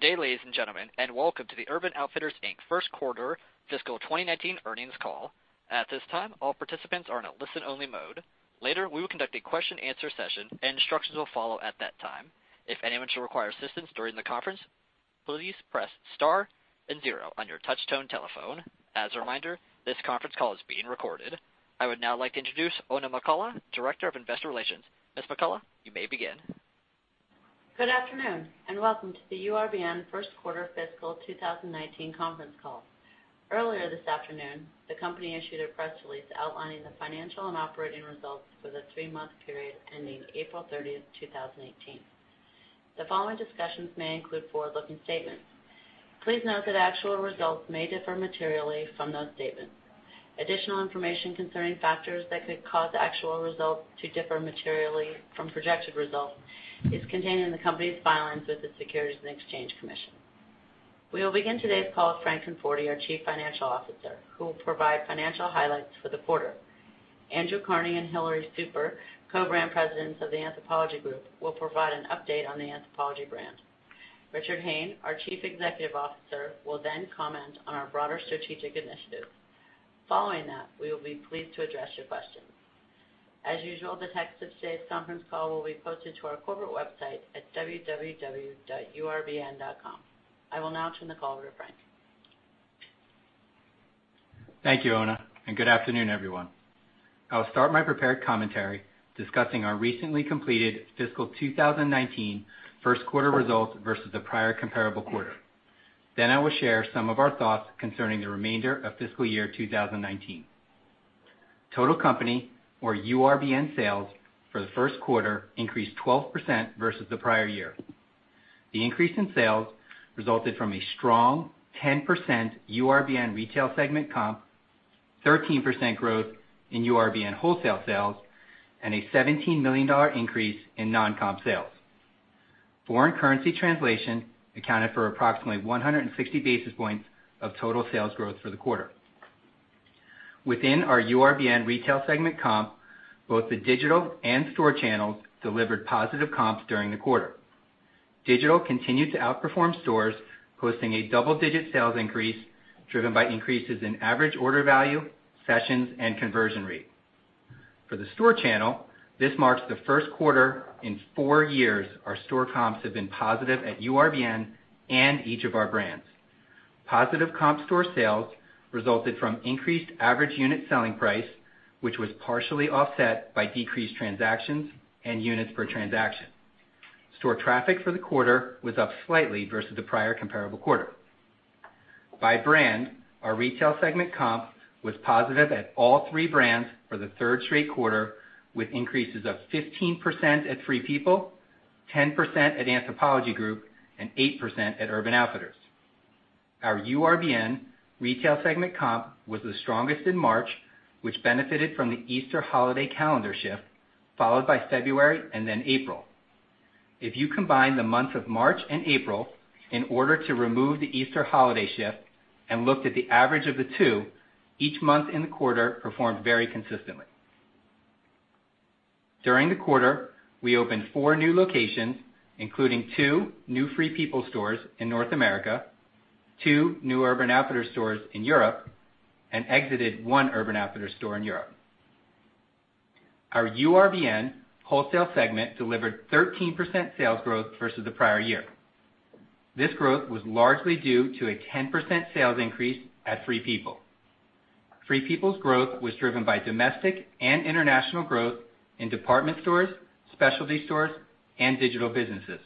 Good day, ladies and gentlemen, and welcome to the Urban Outfitters, Inc. First Quarter Fiscal 2019 Earnings Call. At this time, all participants are in a listen-only mode. Later, we will conduct a question and answer session, and instructions will follow at that time. If anyone should require assistance during the conference, please press star and zero on your touch-tone telephone. As a reminder, this conference call is being recorded. I would now like to introduce Oona McCullough, Director of Investor Relations. Ms. McCullough, you may begin. Good afternoon, welcome to the URBN First Quarter Fiscal 2019 Conference Call. Earlier this afternoon, the company issued a press release outlining the financial and operating results for the three-month period ending April 30th, 2018. The following discussions may include forward-looking statements. Please note that actual results may differ materially from those statements. Additional information concerning factors that could cause actual results to differ materially from projected results is contained in the company's filings with the Securities and Exchange Commission. We will begin today's call with Frank Conforti, our Chief Financial Officer, who will provide financial highlights for the quarter. Andrew Carnie and Hillary Super, Co-Brand Presidents of the Anthropologie Group, will provide an update on the Anthropologie brand. Richard Hayne, our Chief Executive Officer, will comment on our broader strategic initiatives. Following that, we will be pleased to address your questions. As usual, the text of today's conference call will be posted to our corporate website at www.urbn.com. I will now turn the call over to Frank. Thank you, Oona, good afternoon, everyone. I will start my prepared commentary discussing our recently completed fiscal 2019 first quarter results versus the prior comparable quarter. I will share some of our thoughts concerning the remainder of fiscal year 2019. Total company or URBN sales for the first quarter increased 12% versus the prior year. The increase in sales resulted from a strong 10% URBN retail segment comp, 13% growth in URBN wholesale sales, and a $17 million increase in non-comp sales. Foreign currency translation accounted for approximately 160 basis points of total sales growth for the quarter. Within our URBN retail segment comp, both the digital and store channels delivered positive comps during the quarter. Digital continued to outperform stores, posting a double-digit sales increase driven by increases in average order value, sessions, and conversion rate. For the store channel, this marks the first quarter in four years our store comps have been positive at URBN and each of our brands. Positive comp store sales resulted from increased average unit selling price, which was partially offset by decreased transactions and units per transaction. Store traffic for the quarter was up slightly versus the prior comparable quarter. By brand, our retail segment comp was positive at all three brands for the third straight quarter, with increases of 15% at Free People, 10% at Anthropologie Group, and 8% at Urban Outfitters. Our URBN retail segment comp was the strongest in March, which benefited from the Easter holiday calendar shift, followed by February and then April. If you combine the months of March and April in order to remove the Easter holiday shift and looked at the average of the two, each month in the quarter performed very consistently. During the quarter, we opened four new locations, including two new Free People stores in North America, two new Urban Outfitters stores in Europe, and exited one Urban Outfitters store in Europe. Our URBN wholesale segment delivered 13% sales growth versus the prior year. This growth was largely due to a 10% sales increase at Free People. Free People's growth was driven by domestic and international growth in department stores, specialty stores, and digital businesses.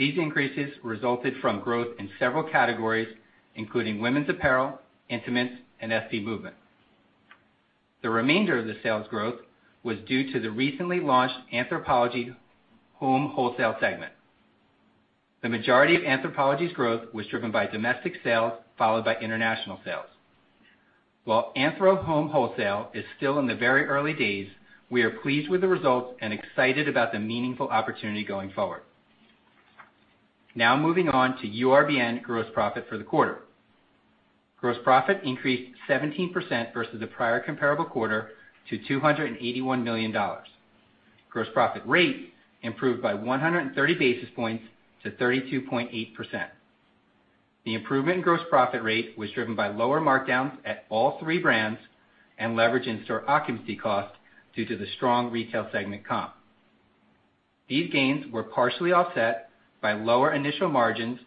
These increases resulted from growth in several categories, including women's apparel, intimates, and athleisure movement. The remainder of the sales growth was due to the recently launched Anthropologie Home wholesale segment. The majority of Anthropologie's growth was driven by domestic sales, followed by international sales. While Anthro Home wholesale is still in the very early days, we are pleased with the results and excited about the meaningful opportunity going forward. Moving on to URBN gross profit for the quarter. Gross profit increased 17% versus the prior comparable quarter to $281 million. Gross profit rate improved by 130 basis points to 32.8%. The improvement in gross profit rate was driven by lower markdowns at all three brands and leverage in store occupancy costs due to the strong retail segment comp. These gains were partially offset by lower initial margins,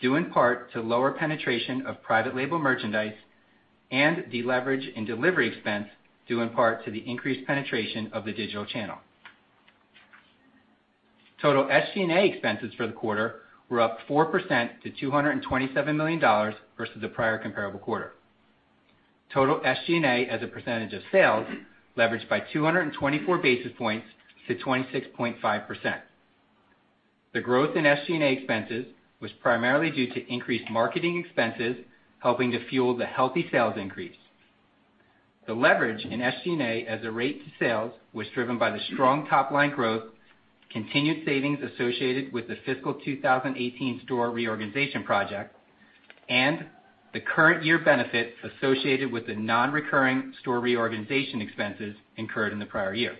due in part to lower penetration of private label merchandise and the leverage in delivery expense, due in part to the increased penetration of the digital channel. Total SG&A expenses for the quarter were up 4% to $227 million versus the prior comparable quarter. Total SG&A as a percentage of sales leveraged by 224 basis points to 26.5%. The growth in SG&A expenses was primarily due to increased marketing expenses helping to fuel the healthy sales increase. The leverage in SG&A as a rate to sales was driven by the strong top-line growth, continued savings associated with the fiscal 2018 store reorganization project, and the current year benefits associated with the non-recurring store reorganization expenses incurred in the prior year.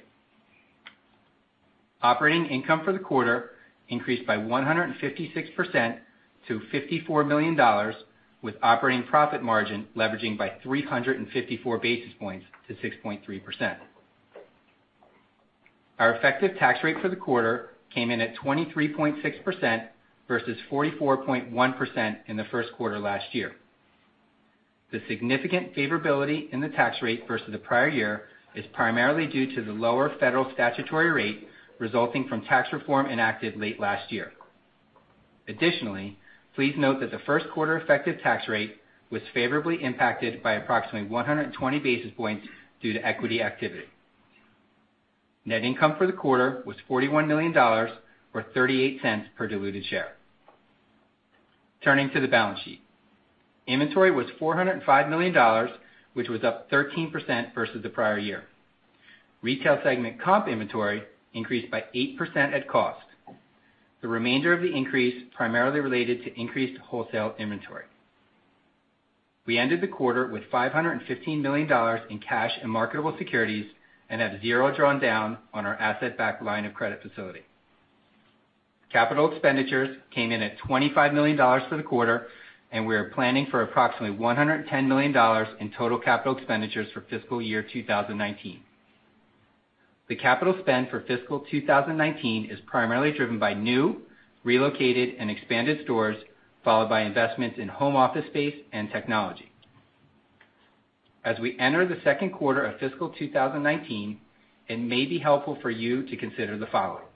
Operating income for the quarter increased by 156% to $54 million, with operating profit margin leveraging by 354 basis points to 6.3%. Our effective tax rate for the quarter came in at 23.6% versus 44.1% in the first quarter last year. The significant favorability in the tax rate versus the prior year is primarily due to the lower federal statutory rate resulting from tax reform enacted late last year. Additionally, please note that the first quarter effective tax rate was favorably impacted by approximately 120 basis points due to equity activity. Net income for the quarter was $41 million, or $0.38 per diluted share. Turning to the balance sheet. Inventory was $405 million, which was up 13% versus the prior year. Retail segment comp inventory increased by 8% at cost. The remainder of the increase primarily related to increased wholesale inventory. We ended the quarter with $515 million in cash and marketable securities and have zero drawn down on our asset-backed line of credit facility. Capital expenditures came in at $25 million for the quarter, and we are planning for approximately $110 million in total capital expenditures for fiscal year 2019. The capital spend for fiscal 2019 is primarily driven by new, relocated, and expanded stores, followed by investments in home office space and technology. As we enter the second quarter of fiscal 2019, it may be helpful for you to consider the following.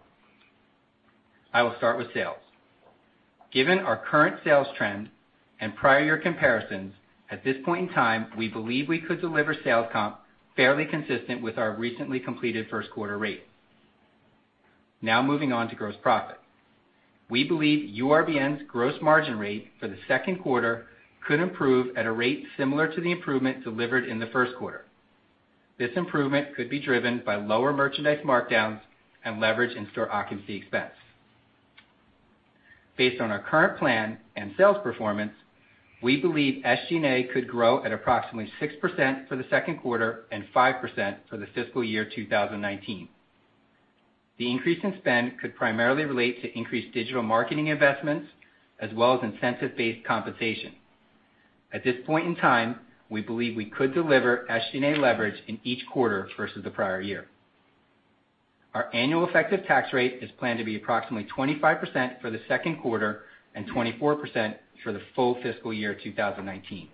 I will start with sales. Given our current sales trend and prior year comparisons, at this point in time, we believe we could deliver sales comp fairly consistent with our recently completed first quarter rate. Now moving on to gross profit. We believe URBN's gross margin rate for the second quarter could improve at a rate similar to the improvement delivered in the first quarter. This improvement could be driven by lower merchandise markdowns and leverage in store occupancy expense. Based on our current plan and sales performance, we believe SG&A could grow at approximately 6% for the second quarter and 5% for the fiscal year 2019. The increase in spend could primarily relate to increased digital marketing investments, as well as incentive-based compensation. At this point in time, we believe we could deliver SG&A leverage in each quarter versus the prior year. Our annual effective tax rate is planned to be approximately 25% for the second quarter and 24% for the full fiscal year 2019.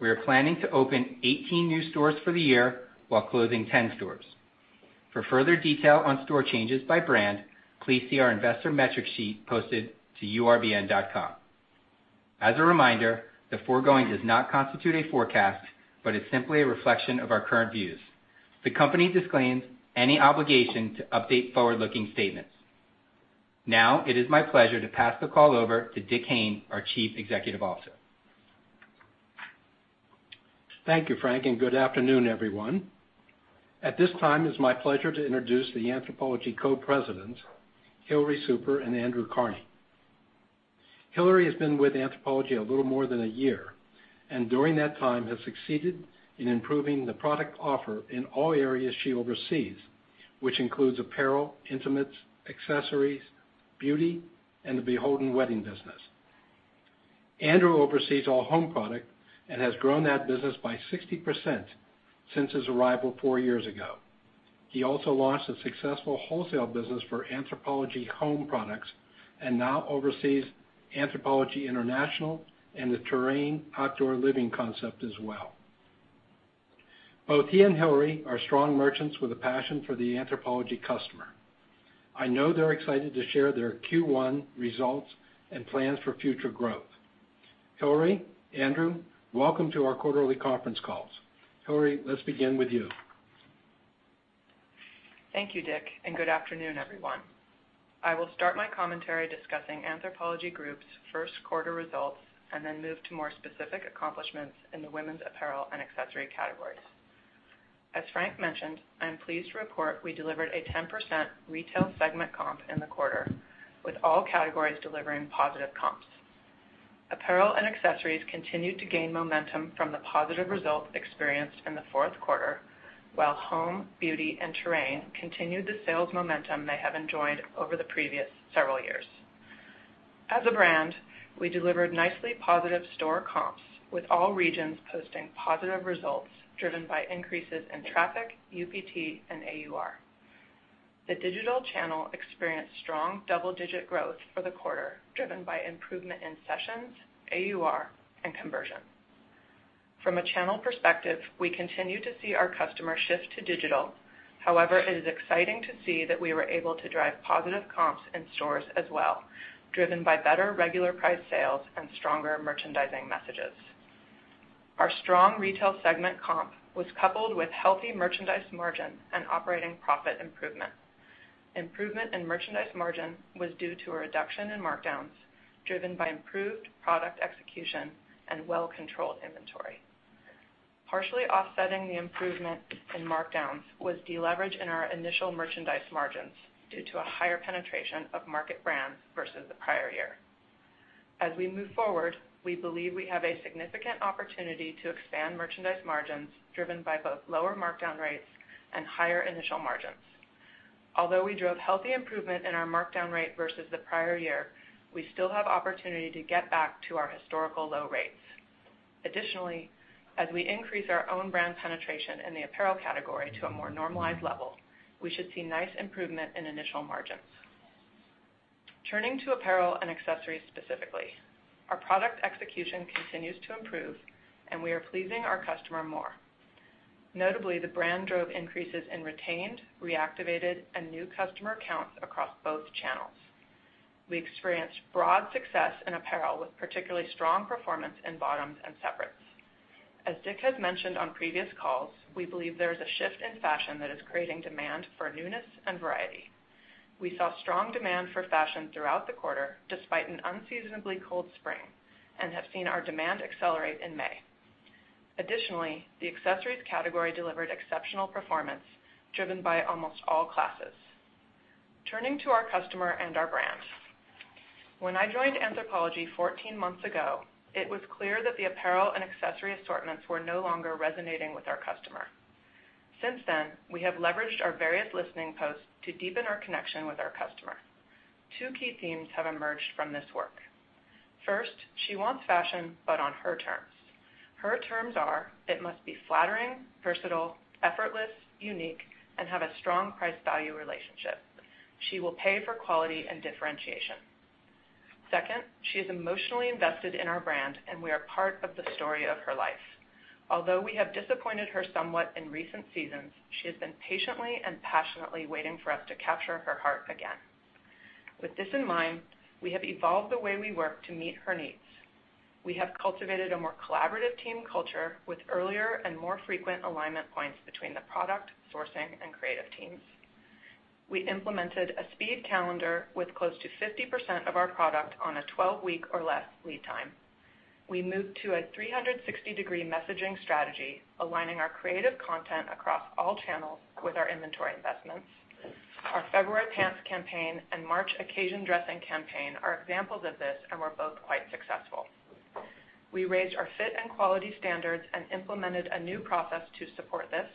We are planning to open 18 new stores for the year while closing 10 stores. For further detail on store changes by brand, please see our investor metric sheet posted to urbn.com. As a reminder, the foregoing does not constitute a forecast, but is simply a reflection of our current views. The company disclaims any obligation to update forward-looking statements. Now it is my pleasure to pass the call over to Dick Hayne, our Chief Executive Officer. Thank you, Frank, and good afternoon, everyone. At this time, it's my pleasure to introduce the Anthropologie co-presidents, Hillary Super and Andrew Carnie. Hillary has been with Anthropologie a little more than a year, and during that time has succeeded in improving the product offer in all areas she oversees, which includes apparel, intimates, accessories, beauty, and the BHLDN wedding business. Andrew oversees all home product and has grown that business by 60% since his arrival four years ago. He also launched a successful wholesale business for Anthropologie Home products and now oversees Anthropologie International and the Terrain outdoor living concept as well. Both he and Hillary are strong merchants with a passion for the Anthropologie customer. I know they're excited to share their Q1 results and plans for future growth. Hillary, Andrew, welcome to our quarterly conference calls. Hillary, let's begin with you. Thank you, Dick, and good afternoon, everyone. I will start my commentary discussing Anthropologie Group's first quarter results and then move to more specific accomplishments in the women's apparel and accessory categories. As Frank mentioned, I am pleased to report we delivered a 10% retail segment comp in the quarter, with all categories delivering positive comps. Apparel and accessories continued to gain momentum from the positive results experienced in the fourth quarter, while home, beauty, and Terrain continued the sales momentum they have enjoyed over the previous several years. As a brand, we delivered nicely positive store comps with all regions posting positive results driven by increases in traffic, UPT, and AUR. The digital channel experienced strong double-digit growth for the quarter, driven by improvement in sessions, AUR, and conversion. From a channel perspective, we continue to see our customers shift to digital. It is exciting to see that we were able to drive positive comps in stores as well, driven by better regular price sales and stronger merchandising messages. Our strong retail segment comp was coupled with healthy merchandise margin and operating profit improvement. Improvement in merchandise margin was due to a reduction in markdowns driven by improved product execution and well-controlled inventory. Partially offsetting the improvement in markdowns was deleverage in our initial merchandise margins due to a higher penetration of market brands versus the prior year. As we move forward, we believe we have a significant opportunity to expand merchandise margins driven by both lower markdown rates and higher initial margins. Although we drove healthy improvement in our markdown rate versus the prior year, we still have opportunity to get back to our historical low rates. As we increase our own brand penetration in the apparel category to a more normalized level, we should see nice improvement in initial margins. Turning to apparel and accessories specifically, our product execution continues to improve, and we are pleasing our customer more. Notably, the brand drove increases in retained, reactivated, and new customer counts across both channels. We experienced broad success in apparel with particularly strong performance in bottoms and separates. As Dick has mentioned on previous calls, we believe there is a shift in fashion that is creating demand for newness and variety. We saw strong demand for fashion throughout the quarter, despite an unseasonably cold spring, and have seen our demand accelerate in May. The accessories category delivered exceptional performance driven by almost all classes. Turning to our customer and our brand. When I joined Anthropologie 14 months ago, it was clear that the apparel and accessory assortments were no longer resonating with our customer. Since then, we have leveraged our various listening posts to deepen our connection with our customer. Two key themes have emerged from this work. First, she wants fashion, but on her terms. Her terms are it must be flattering, versatile, effortless, unique, and have a strong price-value relationship. She will pay for quality and differentiation. Second, she is emotionally invested in our brand, and we are part of the story of her life. Although we have disappointed her somewhat in recent seasons, she has been patiently and passionately waiting for us to capture her heart again. With this in mind, we have evolved the way we work to meet her needs. We have cultivated a more collaborative team culture with earlier and more frequent alignment points between the product, sourcing, and creative teams. We implemented a speed calendar with close to 50% of our product on a 12-week or less lead time. We moved to a 360-degree messaging strategy, aligning our creative content across all channels with our inventory investments. Our February pants campaign and March occasion dressing campaign are examples of this and were both quite successful. We raised our fit and quality standards and implemented a new process to support this.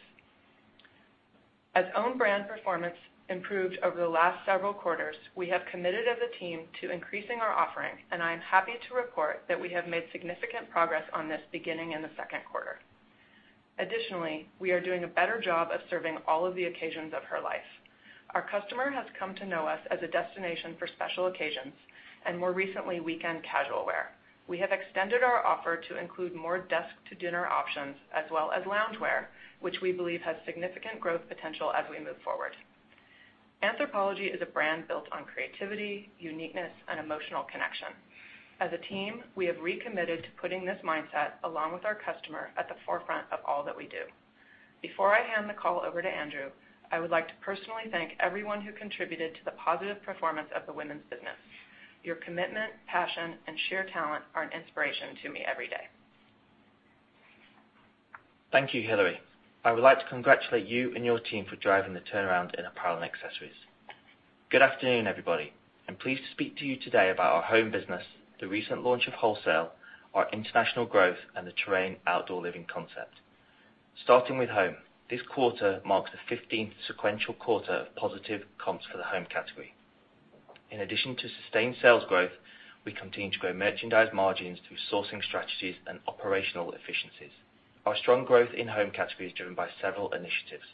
As own brand performance improved over the last several quarters, we have committed as a team to increasing our offering, and I am happy to report that we have made significant progress on this beginning in the second quarter. Additionally, we are doing a better job of serving all of the occasions of her life. Our customer has come to know us as a destination for special occasions and more recently, weekend casual wear. We have extended our offer to include more desk-to-dinner options as well as loungewear, which we believe has significant growth potential as we move forward. Anthropologie is a brand built on creativity, uniqueness, and emotional connection. As a team, we have recommitted to putting this mindset along with our customer at the forefront of all that we do. Before I hand the call over to Andrew, I would like to personally thank everyone who contributed to the positive performance of the women's business. Your commitment, passion, and sheer talent are an inspiration to me every day. Thank you, Hillary. I would like to congratulate you and your team for driving the turnaround in apparel and accessories. Good afternoon, everybody. I'm pleased to speak to you today about our home business, the recent launch of wholesale, our international growth, and the Terrain outdoor living concept. Starting with home. This quarter marks the 15th sequential quarter of positive comps for the home category. In addition to sustained sales growth, we continue to grow merchandise margins through sourcing strategies and operational efficiencies. Our strong growth in home category is driven by several initiatives.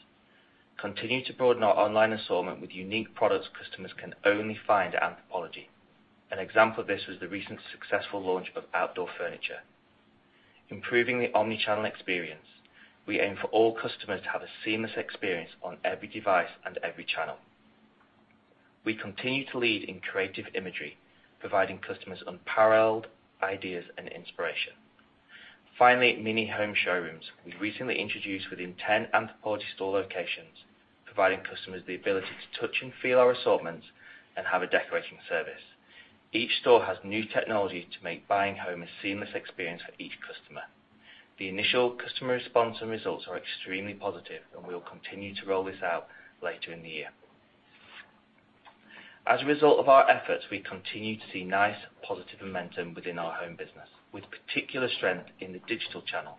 Continue to broaden our online assortment with unique products customers can only find at Anthropologie. An example of this was the recent successful launch of outdoor furniture. Improving the omnichannel experience, we aim for all customers to have a seamless experience on every device and every channel. We continue to lead in creative imagery, providing customers unparalleled ideas and inspiration. Finally, mini home showrooms. We recently introduced within 10 Anthropologie store locations, providing customers the ability to touch and feel our assortments and have a decorating service. Each store has new technology to make buying home a seamless experience for each customer. The initial customer response and results are extremely positive, and we will continue to roll this out later in the year. As a result of our efforts, we continue to see nice positive momentum within our home business, with particular strength in the digital channel,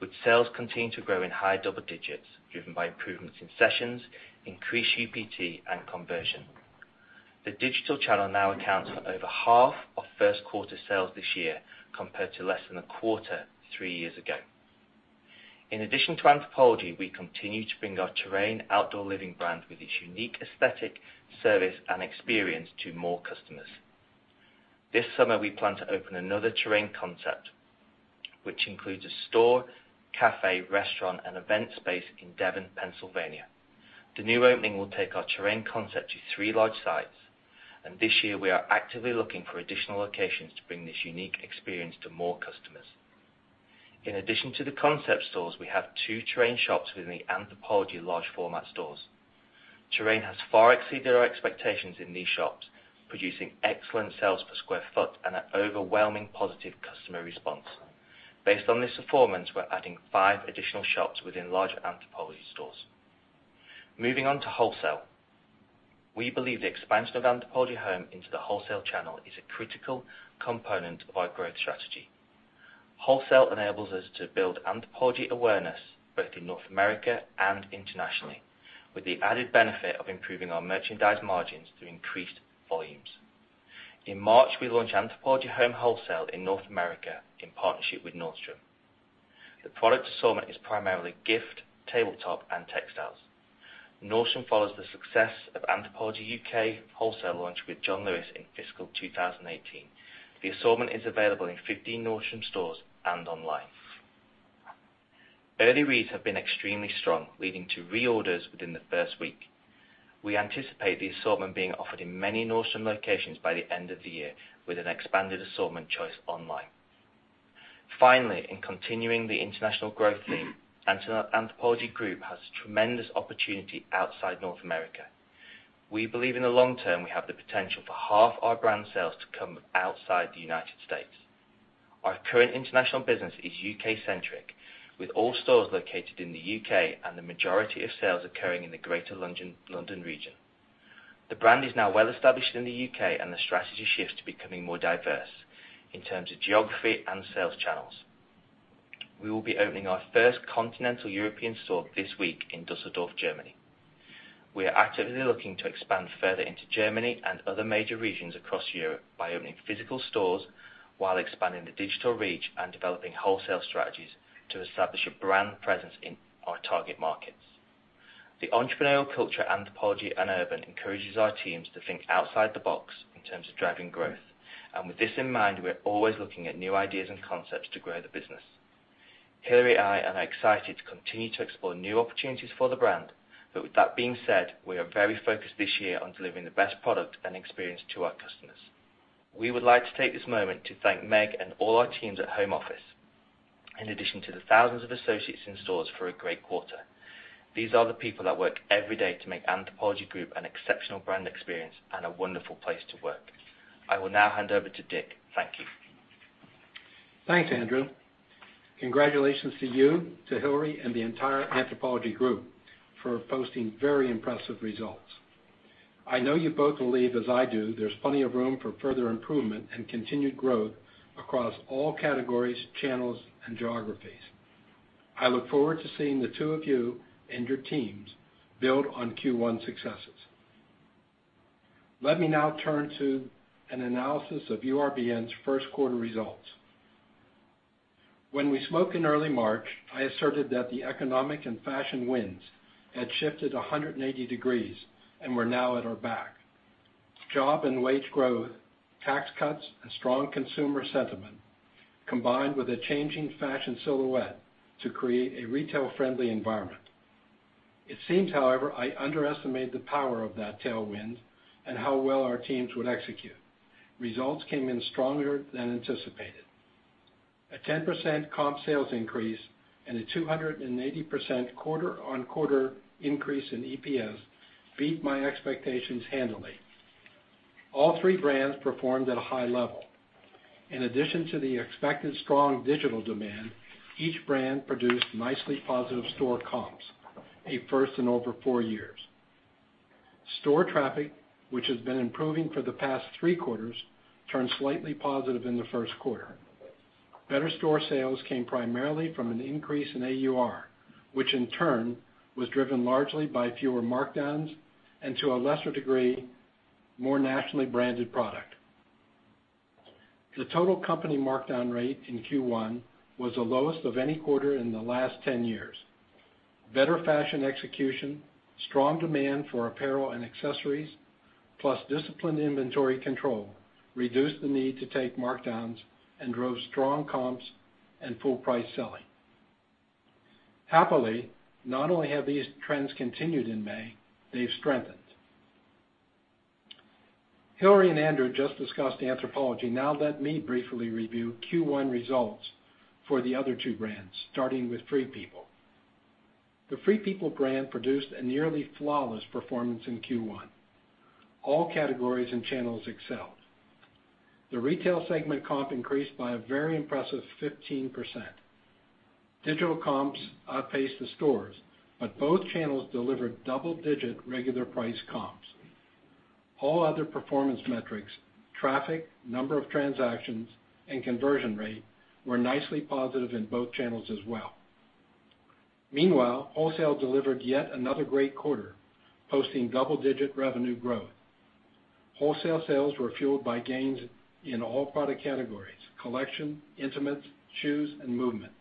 with sales continuing to grow in high double digits driven by improvements in sessions, increased UPT, and conversion. The digital channel now accounts for over half of first quarter sales this year, compared to less than a quarter three years ago. In addition to Anthropologie, we continue to bring our Terrain outdoor living brand with its unique aesthetic, service, and experience to more customers. This summer, we plan to open another Terrain concept, which includes a store, cafe, restaurant, and event space in Devon, Pennsylvania. The new opening will take our Terrain concept to three large sites, and this year we are actively looking for additional locations to bring this unique experience to more customers. In addition to the concept stores, we have two Terrain shops within the Anthropologie large format stores. Terrain has far exceeded our expectations in these shops, producing excellent sales per square foot and an overwhelmingly positive customer response. Based on this performance, we're adding five additional shops within larger Anthropologie stores. Moving on to wholesale. We believe the expansion of Anthropologie Home into the wholesale channel is a critical component of our growth strategy. Wholesale enables us to build Anthropologie awareness both in North America and internationally, with the added benefit of improving our merchandise margins through increased volumes. In March, we launched Anthropologie Home wholesale in North America in partnership with Nordstrom. The product assortment is primarily gift, tabletop, and textiles. Nordstrom follows the success of Anthropologie U.K. wholesale launch with John Lewis in fiscal 2018. The assortment is available in 15 Nordstrom stores and online. Early reads have been extremely strong, leading to reorders within the first week. We anticipate the assortment being offered in many Nordstrom locations by the end of the year, with an expanded assortment choice online. In continuing the international growth theme, Anthropologie Group has a tremendous opportunity outside North America. We believe in the long term, we have the potential for half our brand sales to come outside the United States. Our current international business is U.K.-centric, with all stores located in the U.K. and the majority of sales occurring in the Greater London region. The brand is now well-established in the U.K. and the strategy shifts to becoming more diverse in terms of geography and sales channels. We will be opening our first continental European store this week in Dusseldorf, Germany. We are actively looking to expand further into Germany and other major regions across Europe by opening physical stores while expanding the digital reach and developing wholesale strategies to establish a brand presence in our target markets. The entrepreneurial culture, Anthropologie and Urban, encourages our teams to think outside the box in terms of driving growth. With this in mind, we're always looking at new ideas and concepts to grow the business. Hillary and I are excited to continue to explore new opportunities for the brand. With that being said, we are very focused this year on delivering the best product and experience to our customers. We would like to take this moment to thank Meg and all our teams at home office, in addition to the thousands of associates in stores for a great quarter. These are the people that work every day to make Anthropologie Group an exceptional brand experience and a wonderful place to work. I will now hand over to Dick. Thank you. Thanks, Andrew. Congratulations to you, to Hillary, and the entire Anthropologie Group for posting very impressive results. I know you both believe as I do, there's plenty of room for further improvement and continued growth across all categories, channels, and geographies. I look forward to seeing the two of you and your teams build on Q1 successes. Let me now turn to an analysis of URBN's first quarter results. When we spoke in early March, I asserted that the economic and fashion winds had shifted 180 degrees and were now at our back. Job and wage growth, tax cuts, and strong consumer sentiment, combined with a changing fashion silhouette to create a retail-friendly environment. It seems, however, I underestimated the power of that tailwind and how well our teams would execute. Results came in stronger than anticipated. A 10% comp sales increase and a 280% quarter-on-quarter increase in EPS beat my expectations handily. All three brands performed at a high level. In addition to the expected strong digital demand, each brand produced nicely positive store comps, a first in over four years. Store traffic, which has been improving for the past three quarters, turned slightly positive in the first quarter. Better store sales came primarily from an increase in AUR, which in turn was driven largely by fewer markdowns and, to a lesser degree, more nationally branded product. The total company markdown rate in Q1 was the lowest of any quarter in the last 10 years. Better fashion execution, strong demand for apparel and accessories, plus disciplined inventory control, reduced the need to take markdowns and drove strong comps and full price selling. Happily, not only have these trends continued in May, they've strengthened. Hillary and Andrew just discussed Anthropologie. Let me briefly review Q1 results for the other two brands, starting with Free People. The Free People brand produced a nearly flawless performance in Q1. All categories and channels excelled. The retail segment comp increased by a very impressive 15%. Digital comps outpaced the stores, but both channels delivered double-digit regular price comps. All other performance metrics, traffic, number of transactions, and conversion rate, were nicely positive in both channels as well. Meanwhile, wholesale delivered yet another great quarter, posting double-digit revenue growth. Wholesale sales were fueled by gains in all product categories, collection, intimates, shoes, and Movement,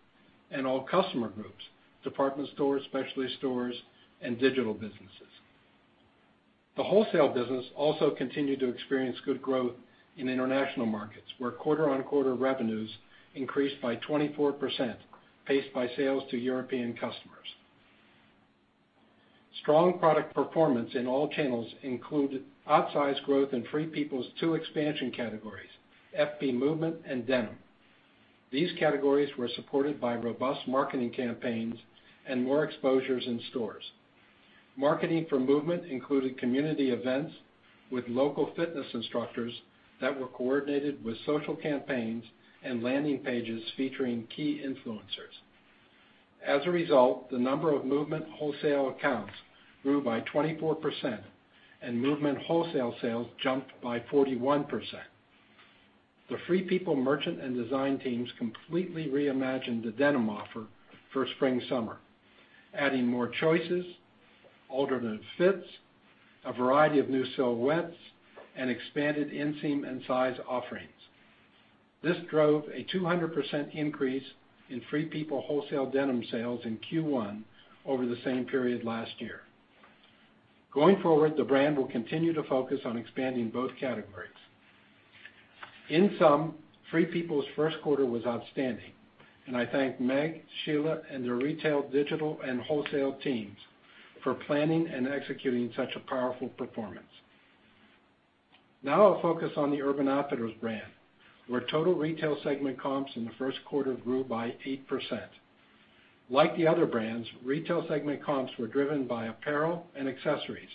and all customer groups, department stores, specialty stores, and digital businesses. The wholesale business also continued to experience good growth in international markets, where quarter-on-quarter revenues increased by 24%, paced by sales to European customers. Strong product performance in all channels include outsized growth in Free People's two expansion categories, FP Movement and Denim. These categories were supported by robust marketing campaigns and more exposures in stores. Marketing for Movement included community events with local fitness instructors that were coordinated with social campaigns and landing pages featuring key influencers. As a result, the number of Movement wholesale accounts grew by 24%, and Movement wholesale sales jumped by 41%. The Free People merchant and design teams completely reimagined the denim offer for spring-summer, adding more choices, alternative fits, a variety of new silhouettes, and expanded inseam and size offerings. This drove a 200% increase in Free People wholesale denim sales in Q1 over the same period last year. Going forward, the brand will continue to focus on expanding both categories. In sum, Free People's first quarter was outstanding, and I thank Meg, Sheila, and their retail, digital, and wholesale teams for planning and executing such a powerful performance. I'll now focus on the Urban Outfitters brand, where total retail segment comps in the first quarter grew by 8%. Like the other brands, retail segment comps were driven by apparel and accessories.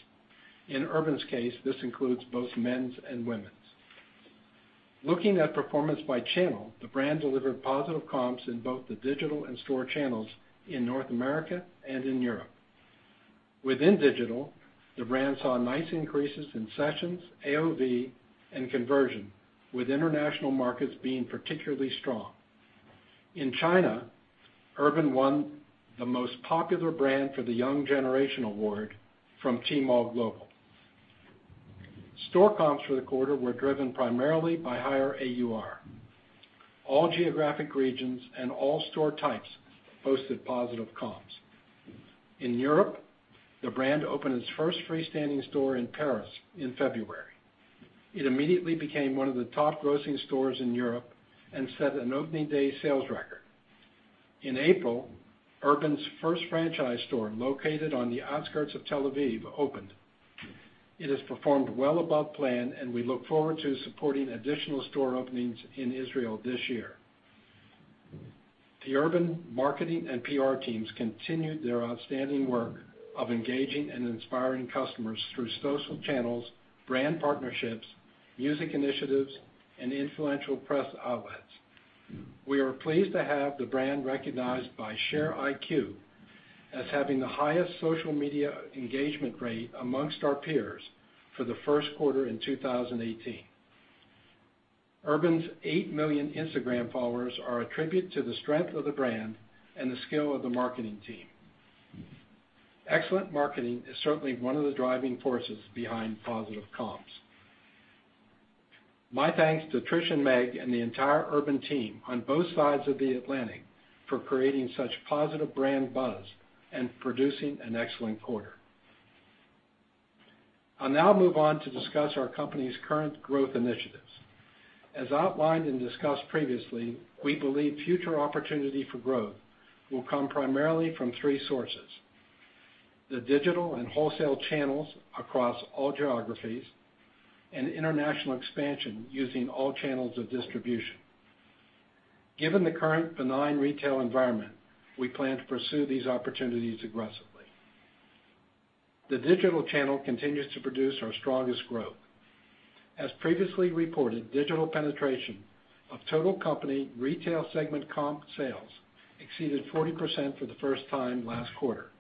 In Urban's case, this includes both men's and women's. Looking at performance by channel, the brand delivered positive comps in both the digital and store channels in North America and in Europe. Within digital, the brand saw nice increases in sessions, AOV, and conversion, with international markets being particularly strong. In China, Urban won the most popular brand for the Young Generation Award from Tmall Global. Store comps for the quarter were driven primarily by higher AUR. All geographic regions and all store types posted positive comps. In Europe, the brand opened its first freestanding store in Paris in February. It immediately became one of the top grossing stores in Europe and set an opening day sales record. In April, Urban's first franchise store, located on the outskirts of Tel Aviv, opened. It has performed well above plan, and we look forward to supporting additional store openings in Israel this year. The Urban marketing and PR teams continued their outstanding work of engaging and inspiring customers through social channels, brand partnerships, music initiatives, and influential press outlets. We are pleased to have the brand recognized by ShareIQ as having the highest social media engagement rate amongst our peers for the first quarter in 2018. Urban's 8 million Instagram followers are a tribute to the strength of the brand and the skill of the marketing team. Excellent marketing is certainly one of the driving forces behind positive comps. My thanks to Trish and Meg and the entire Urban team on both sides of the Atlantic for creating such positive brand buzz and producing an excellent quarter. I'll now move on to discuss our company's current growth initiatives. As outlined and discussed previously, we believe future opportunity for growth will come primarily from 3 sources: the digital and wholesale channels across all geographies and international expansion using all channels of distribution. Given the current benign retail environment, we plan to pursue these opportunities aggressively. The digital channel continues to produce our strongest growth. As previously reported, digital penetration of total company retail segment comp sales exceeded 40% for the first time last quarter.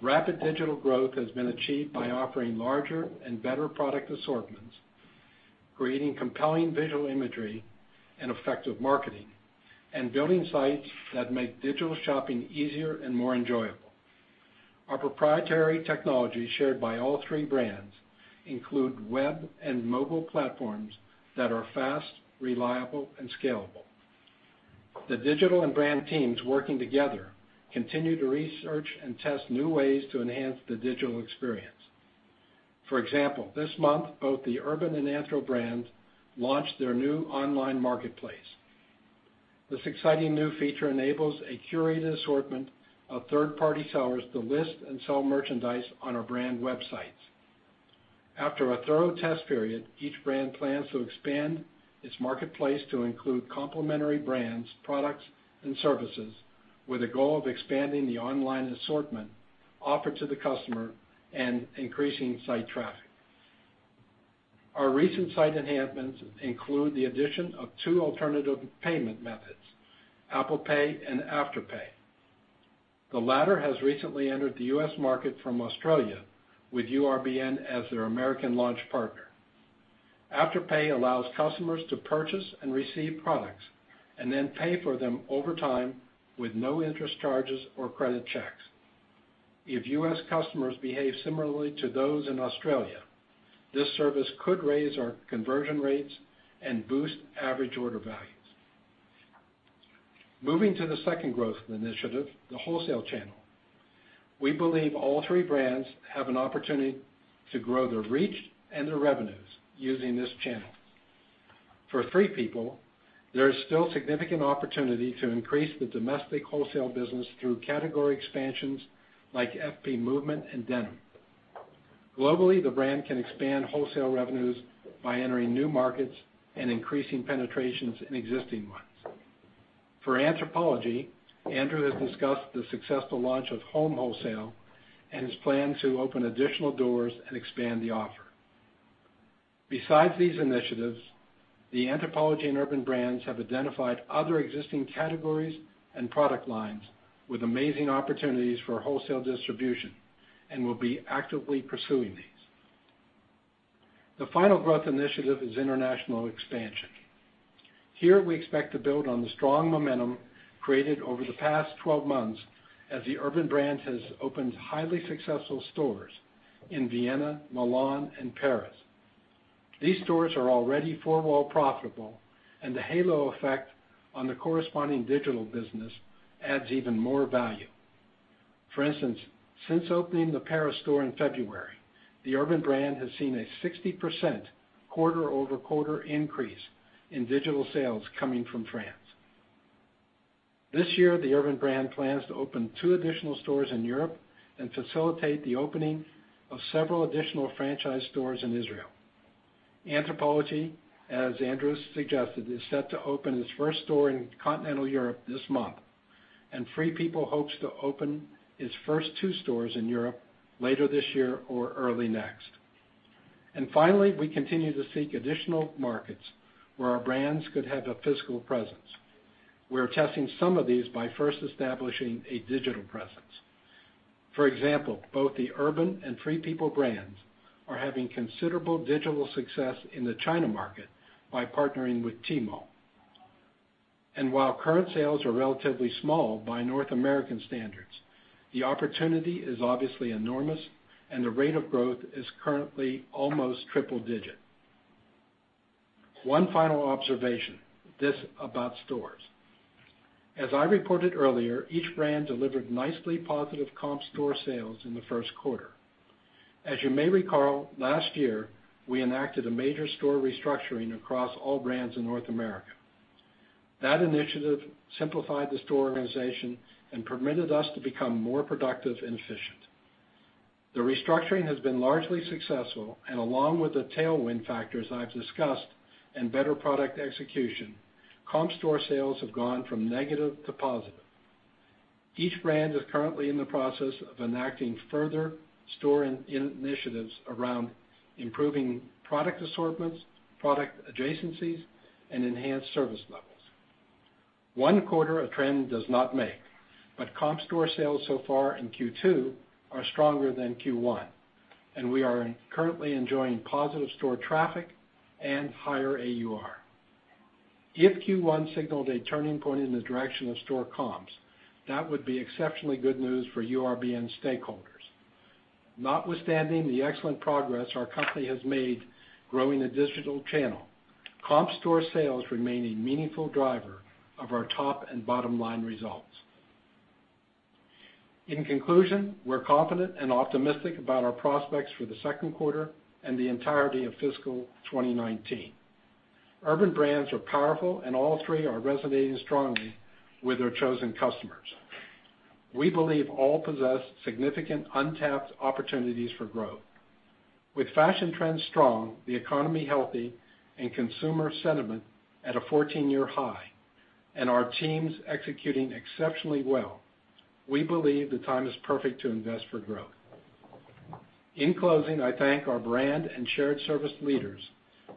Rapid digital growth has been achieved by offering larger and better product assortments, creating compelling visual imagery and effective marketing, and building sites that make digital shopping easier and more enjoyable. Our proprietary technology, shared by all 3 brands, include web and mobile platforms that are fast, reliable, and scalable. The digital and brand teams working together continue to research and test new ways to enhance the digital experience. For example, this month, both the Urban and Anthro brands launched their new online marketplace. This exciting new feature enables a curated assortment of third-party sellers to list and sell merchandise on our brand websites. After a thorough test period, each brand plans to expand its marketplace to include complementary brands, products, and services with a goal of expanding the online assortment offered to the customer and increasing site traffic. Our recent site enhancements include the addition of 2 alternative payment methods: Apple Pay and Afterpay. The latter has recently entered the U.S. market from Australia with URBN as their American launch partner. Afterpay allows customers to purchase and receive products and then pay for them over time with no interest charges or credit checks. If U.S. customers behave similarly to those in Australia, this service could raise our conversion rates and boost average order values. Moving to the second growth initiative, the wholesale channel. We believe all three brands have an opportunity to grow their reach and their revenues using this channel. For Free People, there is still significant opportunity to increase the domestic wholesale business through category expansions like FP Movement and denim. Globally, the brand can expand wholesale revenues by entering new markets and increasing penetrations in existing ones. For Anthropologie, Andrew has discussed the successful launch of home wholesale and his plan to open additional doors and expand the offer. Besides these initiatives, the Anthropologie and Urban Brands have identified other existing categories and product lines with amazing opportunities for wholesale distribution and will be actively pursuing these. The final growth initiative is international expansion. Here, we expect to build on the strong momentum created over the past 12 months as the Urban Brand has opened highly successful stores in Vienna, Milan, and Paris. These stores are already four-wall profitable, and the halo effect on the corresponding digital business adds even more value. For instance, since opening the Paris store in February, the Urban Brand has seen a 60% quarter-over-quarter increase in digital sales coming from France. This year, the Urban Brand plans to open 2 additional stores in Europe and facilitate the opening of several additional franchise stores in Israel. Anthropologie, as Andrew suggested, is set to open its first store in continental Europe this month, and Free People hopes to open its first 2 stores in Europe later this year or early next. Finally, we continue to seek additional markets where our brands could have a physical presence. We are testing some of these by first establishing a digital presence. For example, both the Urban and Free People brands are having considerable digital success in the China market by partnering with Tmall. While current sales are relatively small by North American standards, the opportunity is obviously enormous, and the rate of growth is currently almost triple digit. One final observation, this about stores. As I reported earlier, each brand delivered nicely positive comp store sales in the first quarter. As you may recall, last year, we enacted a major store restructuring across all brands in North America. That initiative simplified the store organization and permitted us to become more productive and efficient. The restructuring has been largely successful, and along with the tailwind factors I've discussed and better product execution, comp store sales have gone from negative to positive. Each brand is currently in the process of enacting further store initiatives around improving product assortments, product adjacencies, and enhanced service levels. One quarter a trend does not make, but comp store sales so far in Q2 are stronger than Q1, and we are currently enjoying positive store traffic and higher AUR. If Q1 signaled a turning point in the direction of store comps, that would be exceptionally good news for URBN stakeholders. Notwithstanding the excellent progress our company has made growing the digital channel, comp store sales remain a meaningful driver of our top and bottom-line results. In conclusion, we're confident and optimistic about our prospects for the second quarter and the entirety of fiscal 2019. Urban Brands are powerful, and all three are resonating strongly with their chosen customers. We believe all possess significant untapped opportunities for growth. With fashion trends strong, the economy healthy, and consumer sentiment at a 14-year high, and our teams executing exceptionally well, we believe the time is perfect to invest for growth. In closing, I thank our brand and shared service leaders,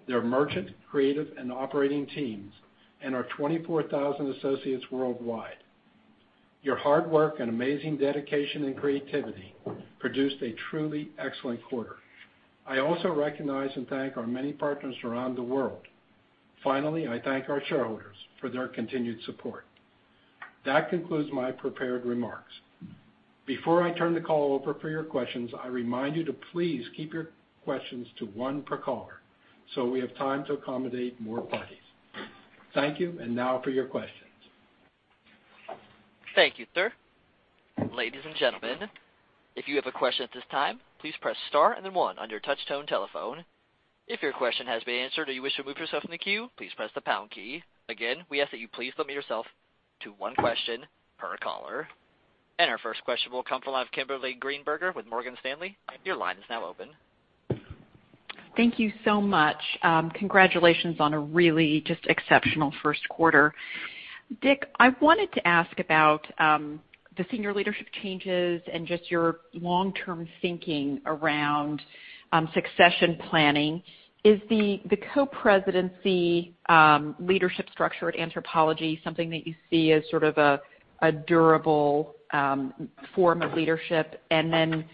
their merchant, creative, and operating teams, and our 24,000 associates worldwide. Your hard work and amazing dedication and creativity produced a truly excellent quarter. I also recognize and thank our many partners around the world. Finally, I thank our shareholders for their continued support. That concludes my prepared remarks. Before I turn the call over for your questions, I remind you to please keep your questions to one per caller so we have time to accommodate more parties. Thank you. Now for your questions. Thank you, sir. Ladies and gentlemen, if you have a question at this time, please press star and then one on your touch-tone telephone. If your question has been answered or you wish to remove yourself from the queue, please press the pound key. Again, we ask that you please limit yourself to one question per caller. Our first question will come from Kimberly Greenberger with Morgan Stanley. Your line is now open. Thank you so much. Congratulations on a really just exceptional first quarter. Dick, I wanted to ask about the senior leadership changes and just your long-term thinking around succession planning. Is the co-presidency leadership structure at Anthropologie something that you see as sort of a durable form of leadership? Then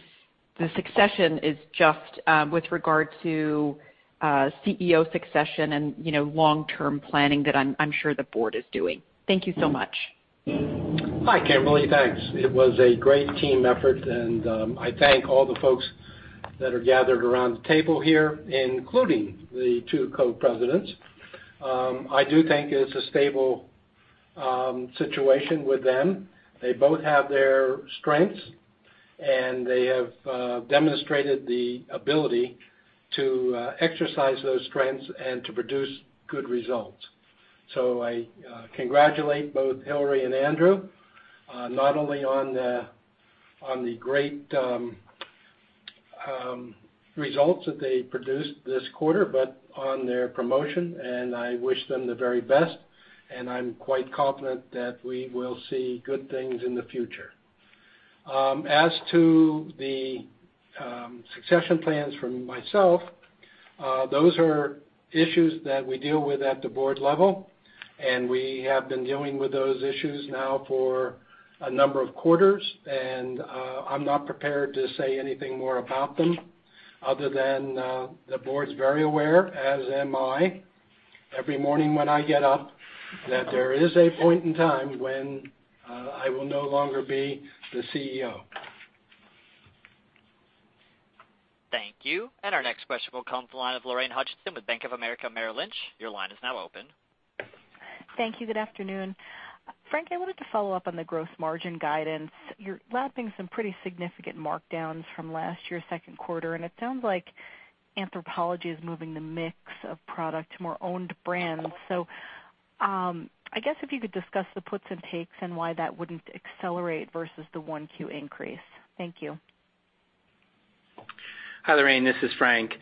the succession is just with regard to CEO succession and long-term planning that I'm sure the board is doing. Thank you so much. Hi, Kimberly. Thanks. It was a great team effort, and I thank all the folks that are gathered around the table here, including the two co-presidents. I do think it's a stable situation with them. They both have their strengths, and they have demonstrated the ability to exercise those strengths and to produce good results. I congratulate both Hillary and Andrew, not only on the great results that they produced this quarter, but on their promotion, and I wish them the very best, and I'm quite confident that we will see good things in the future. As to the succession plans for myself, those are issues that we deal with at the board level. We have been dealing with those issues now for a number of quarters. I'm not prepared to say anything more about them other than the board's very aware, as am I, every morning when I get up, that there is a point in time when I will no longer be the CEO. Thank you. Our next question will come from the line of Lorraine Hutchinson with Bank of America Merrill Lynch. Your line is now open. Thank you. Good afternoon. Frank, I wanted to follow up on the gross margin guidance. You're lapping some pretty significant markdowns from last year's second quarter. It sounds like Anthropologie is moving the mix of product to more owned brands. I guess if you could discuss the puts and takes and why that wouldn't accelerate versus the one Q increase. Thank you. Hi, Lorraine, this is Frank.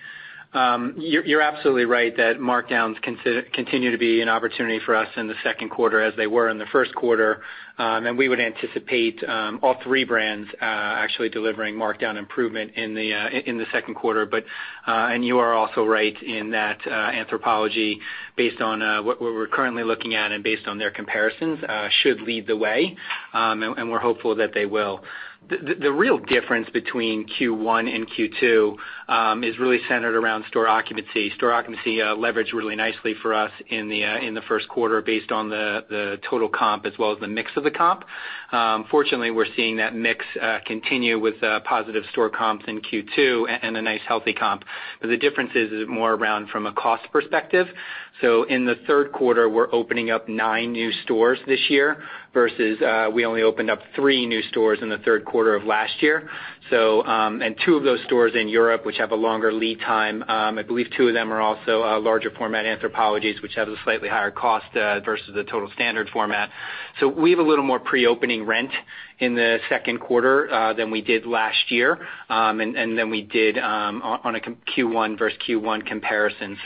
You're absolutely right that markdowns continue to be an opportunity for us in the second quarter as they were in the first quarter. We would anticipate all three brands actually delivering markdown improvement in the second quarter. You are also right in that Anthropologie, based on what we're currently looking at and based on their comparisons, should lead the way. We're hopeful that they will. The real difference between Q1 and Q2 is really centered around store occupancy. Store occupancy leveraged really nicely for us in the first quarter based on the total comp as well as the mix of the comp. Fortunately, we're seeing that mix continue with positive store comps in Q2 and a nice healthy comp. The difference is more around from a cost perspective. In the third quarter, we're opening up nine new stores this year versus we only opened up three new stores in the third quarter of last year. Two of those stores in Europe, which have a longer lead time. I believe two of them are also larger format Anthropologies, which have a slightly higher cost versus the total standard format. We have a little more pre-opening rent in the second quarter than we did last year and than we did on a Q1 versus Q1 comparison.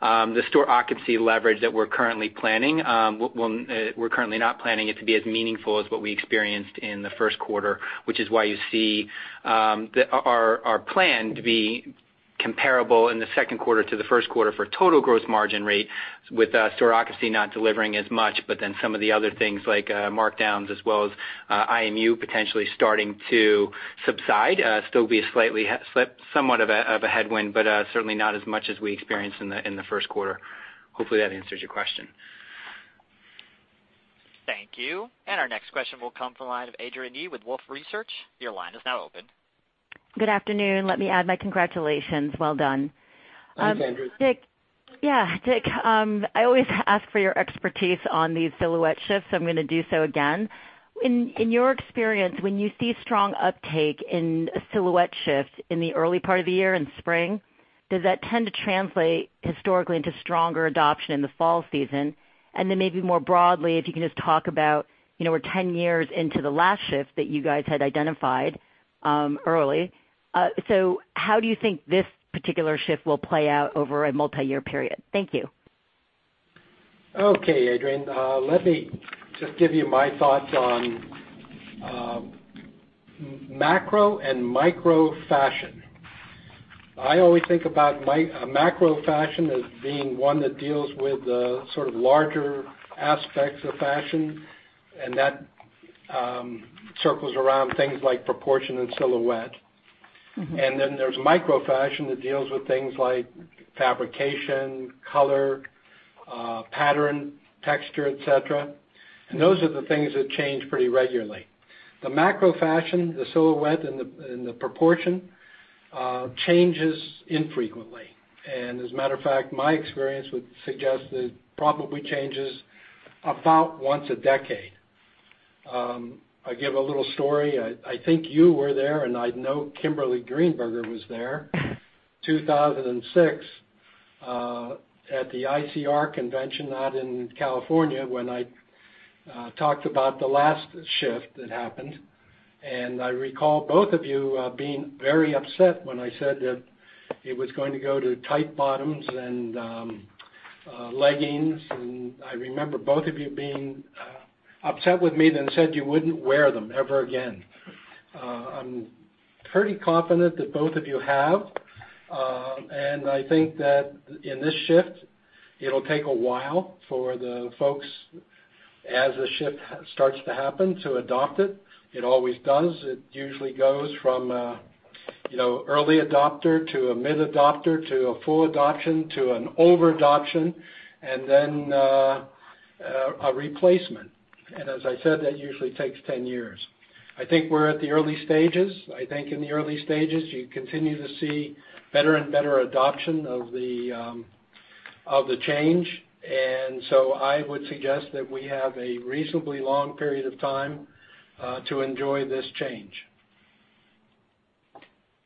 The store occupancy leverage that we're currently planning, we're currently not planning it to be as meaningful as what we experienced in the first quarter, which is why you see our plan to be comparable in the second quarter to the first quarter for total gross margin rate with store occupancy not delivering as much, some of the other things like markdowns as well as IMU potentially starting to subside. Still be somewhat of a headwind, certainly not as much as we experienced in the first quarter. Hopefully, that answers your question. Thank you. Our next question will come from the line of Adrienne Yih with Wolfe Research. Your line is now open. Good afternoon. Let me add my congratulations. Well done. Thanks, Adrienne. Dick. Yeah, Dick, I always ask for your expertise on these silhouette shifts. I'm gonna do so again. In your experience, when you see strong uptake in a silhouette shift in the early part of the year in spring, does that tend to translate historically into stronger adoption in the fall season? Maybe more broadly, if you can just talk about, we're 10 years into the last shift that you guys had identified early. How do you think this particular shift will play out over a multi-year period? Thank you. Okay, Adrienne. Let me just give you my thoughts on macro and micro fashion. I always think about macro fashion as being one that deals with the sort of larger aspects of fashion, that circles around things like proportion and silhouette. Then there's micro fashion that deals with things like fabrication, color, pattern, texture, et cetera. Those are the things that change pretty regularly. The macro fashion, the silhouette, and the proportion changes infrequently. As a matter of fact, my experience would suggest that it probably changes about once a decade. I give a little story. I think you were there, and I know Kimberly Greenberger was there, 2006 at the ICR convention out in California when I talked about the last shift that happened, and I recall both of you being very upset when I said that it was going to go to tight bottoms and leggings. I remember both of you being upset with me then said you wouldn't wear them ever again. I'm pretty confident that both of you have. I think that in this shift, it'll take a while for the folks, as the shift starts to happen, to adopt it. It always does. It usually goes from early adopter to a mid adopter to a full adoption to an over adoption, and then a replacement. As I said, that usually takes 10 years. I think we're at the early stages. I think in the early stages, you continue to see better and better adoption of the change. I would suggest that we have a reasonably long period of time to enjoy this change.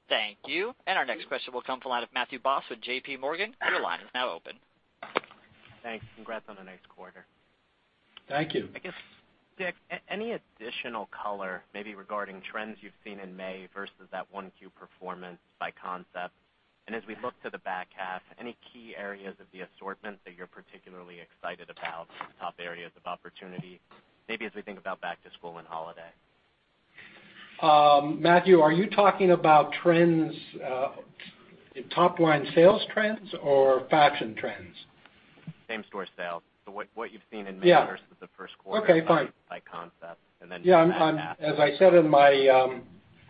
Thank you. Our next question will come from the line of Matthew Boss with JPMorgan. Your line is now open. Thanks. Congrats on a nice quarter. Thank you. I guess, Dick, any additional color maybe regarding trends you've seen in May versus that 1Q performance by concept? As we look to the back half, any key areas of the assortment that you're particularly excited about, top areas of opportunity, maybe as we think about back to school and holiday. Matthew, are you talking about top line sales trends or fashion trends? Same-store sales. What you've seen in May? Yeah versus the first quarter Okay, fine by concept, and then Yeah, as I said in my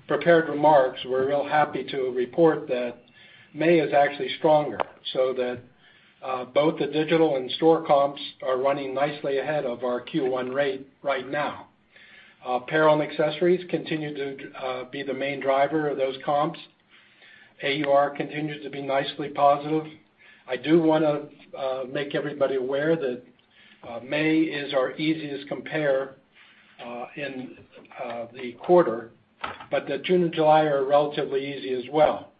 prepared remarks, we're real happy to report that May is actually stronger, so that both the digital and store comps are running nicely ahead of our Q1 rate right now. Apparel and accessories continue to be the main driver of those comps. AUR continues to be nicely positive. I do want to make everybody aware that May is our easiest compare in the quarter, but that June and July are relatively easy as well.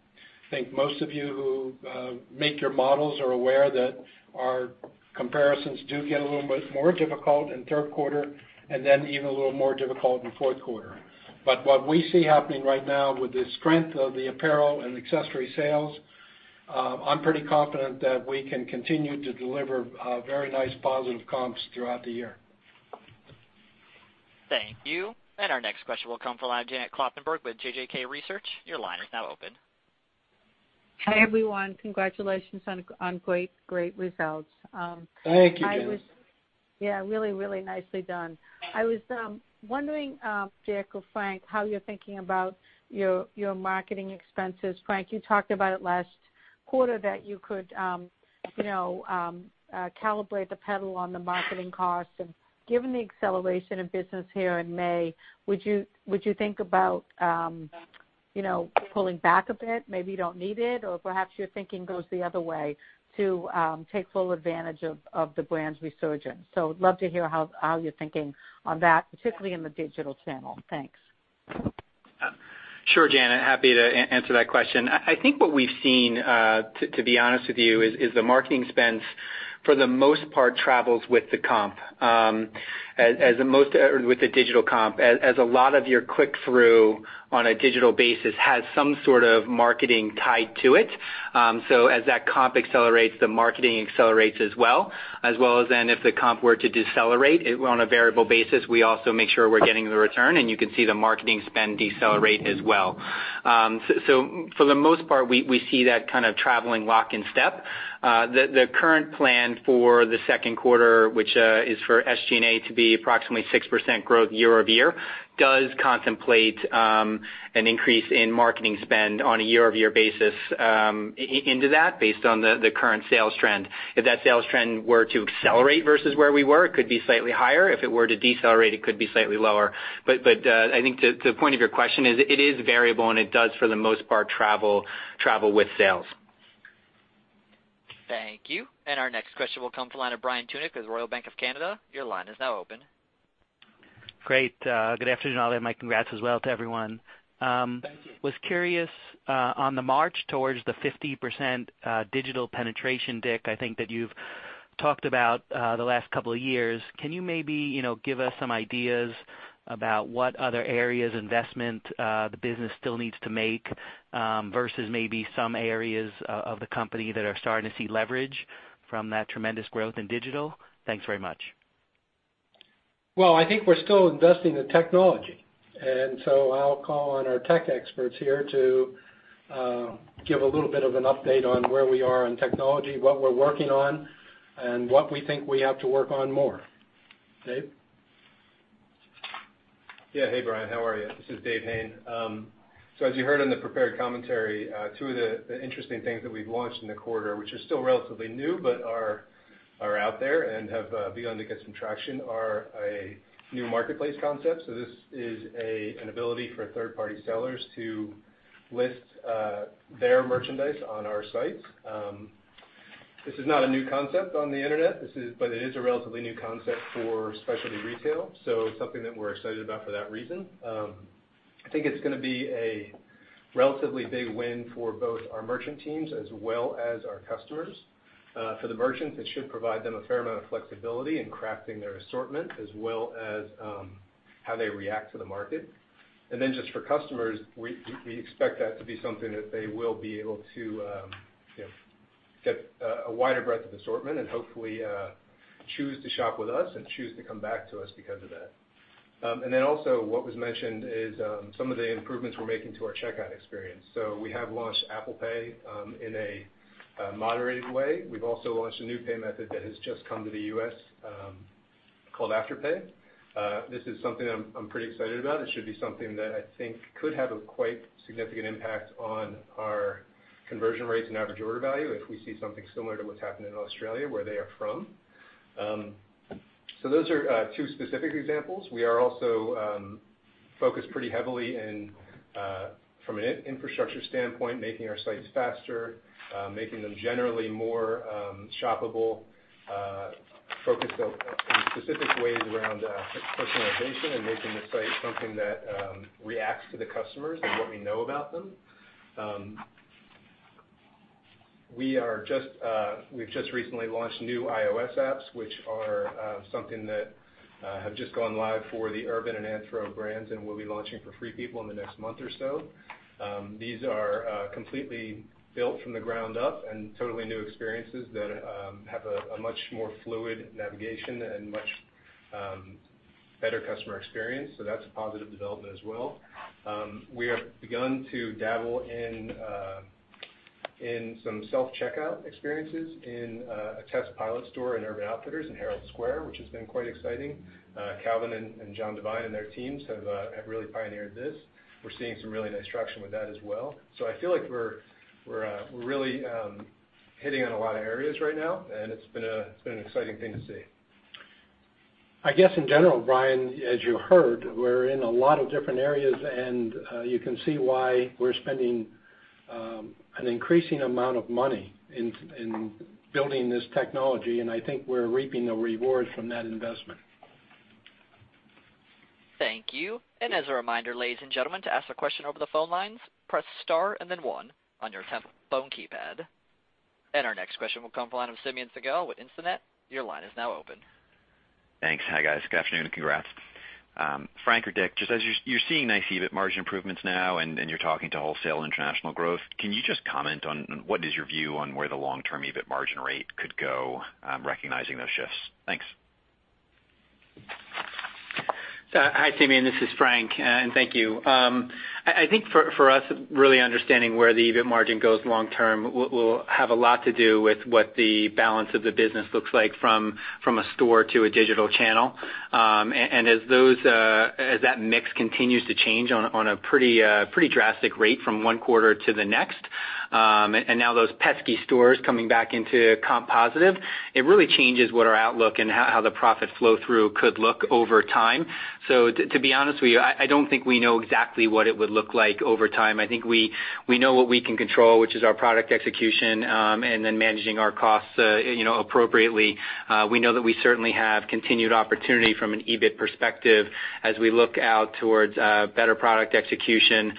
I think most of you who make your models are aware that our comparisons do get a little bit more difficult in third quarter, and then even a little more difficult in fourth quarter. What we see happening right now with the strength of the apparel and accessory sales, I'm pretty confident that we can continue to deliver very nice positive comps throughout the year. Thank you. Our next question will come from the line of Janet Kloppenburg with JJK Research. Your line is now open. Hi, everyone. Congratulations on great results. Thank you, Janet. Yeah, really nicely done. I was wondering, Dick or Frank, how you're thinking about your marketing expenses. Frank, you talked about it last quarter that you could calibrate the pedal on the marketing costs. Given the acceleration of business here in May, would you think about pulling back a bit, maybe you don't need it? Or perhaps your thinking goes the other way to take full advantage of the brand's resurgence. Love to hear how you're thinking on that, particularly in the digital channel. Thanks. Sure, Janet, happy to answer that question. I think what we've seen, to be honest with you, is the marketing spends, for the most part, travels with the comp. With the digital comp, as a lot of your click-through on a digital basis has some sort of marketing tied to it. As that comp accelerates, the marketing accelerates as well. If the comp were to decelerate, on a variable basis, we also make sure we're getting the return, and you can see the marketing spend decelerate as well. For the most part, we see that kind of traveling lock and step. The current plan for the second quarter, which is for SGA to be approximately 6% growth year-over-year, does contemplate an increase in marketing spend on a year-over-year basis into that based on the current sales trend. If that sales trend were to accelerate versus where we were, it could be slightly higher. If it were to decelerate, it could be slightly lower. I think the point of your question is, it is variable, and it does, for the most part, travel with sales. Thank you. Our next question will come from the line of Brian Tunick with Royal Bank of Canada. Your line is now open. Great. Good afternoon. I'll add my congrats as well to everyone. Thank you. Was curious on the march towards the 50% digital penetration, Dick, I think that you've talked about the last couple of years. Can you maybe give us some ideas about what other areas investment the business still needs to make, versus maybe some areas of the company that are starting to see leverage from that tremendous growth in digital? Thanks very much. Well, I think we're still investing in technology. I'll call on our tech experts here to give a little bit of an update on where we are on technology, what we're working on, and what we think we have to work on more. Dave? Yeah. Hey, Brian. How are you? This is David Hayne. As you heard in the prepared commentary, two of the interesting things that we've launched in the quarter, which are still relatively new but are out there and have begun to get some traction, are a new marketplace concept. This is an ability for third-party sellers to list their merchandise on our sites. This is not a new concept on the internet, but it is a relatively new concept for specialty retail, so it's something that we're excited about for that reason. I think it's going to be a relatively big win for both our merchant teams as well as our customers. For the merchants, it should provide them a fair amount of flexibility in crafting their assortment as well as how they react to the market. Just for customers, we expect that to be something that they will be able to get a wider breadth of assortment and hopefully choose to shop with us and choose to come back to us because of that. Also what was mentioned is some of the improvements we're making to our checkout experience. We have launched Apple Pay in a moderated way. We've also launched a new payment method that has just come to the U.S. called Afterpay. This is something I'm pretty excited about. It should be something that I think could have a quite significant impact on our conversion rates and average order value if we see something similar to what's happened in Australia, where they are from. Those are two specific examples. We are also focused pretty heavily in, from an infrastructure standpoint, making our sites faster, making them generally more shoppable, focused on specific ways around personalization and making the site something that reacts to the customers and what we know about them. We've just recently launched new iOS apps, which are something that have just gone live for the Urban and Anthro brands and will be launching for Free People in the next month or so. These are completely built from the ground up and totally new experiences that have a much more fluid navigation and much better customer experience, that's a positive development as well. We have begun to dabble in some self-checkout experiences in a test pilot store in Urban Outfitters in Herald Square, which has been quite exciting. Calvin and John Divine and their teams have really pioneered this. We're seeing some really nice traction with that as well. I feel like we're really hitting on a lot of areas right now, and it's been an exciting thing to see. I guess in general, Brian, as you heard, we're in a lot of different areas. You can see why we're spending an increasing amount of money in building this technology, I think we're reaping the rewards from that investment. Thank you. As a reminder, ladies and gentlemen, to ask a question over the phone lines, press star and then one on your phone keypad. Our next question will come from the line of Simeon Siegel with Instinet. Your line is now open. Thanks. Hi, guys. Good afternoon and congrats. Frank or Dick, just as you're seeing nice EBIT margin improvements now and you're talking to wholesale international growth, can you just comment on what is your view on where the long-term EBIT margin rate could go, recognizing those shifts? Thanks. Hi, Simeon, this is Frank, thank you. I think for us, really understanding where the EBIT margin goes long term will have a lot to do with what the balance of the business looks like from a store to a digital channel. As that mix continues to change on a pretty drastic rate from one quarter to the next. Now those pesky stores coming back into comp positive, it really changes what our outlook and how the profit flow through could look over time. To be honest with you, I don't think we know exactly what it would look like over time. I think we know what we can control, which is our product execution, and then managing our costs appropriately. We know that we certainly have continued opportunity from an EBIT perspective as we look out towards better product execution,